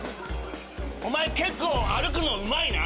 お前結構歩くのウマいな。